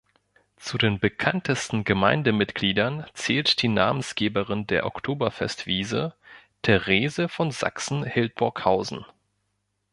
Zu den bekanntesten Gemeindemitgliedern zählt die Namensgeberin der Oktoberfest-Wiese Therese von Sachsen-Hildburghausen.